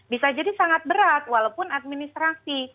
bisa jadi sangat berat walaupun administrasi